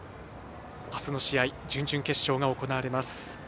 あすの試合準々決勝が行われます。